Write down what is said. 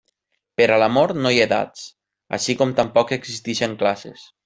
Per a l'amor no hi ha edats, així com tampoc existeixen classes.